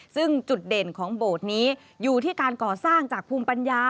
ซึ่งจุดเด่นของโบสถ์นี้อยู่ที่การก่อสร้างจากภูมิปัญญา